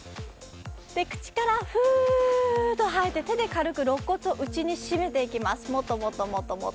口からふーっと吐いて手で軽く肋骨を内に締めていきます。